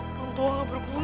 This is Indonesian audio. orang tua gak berguna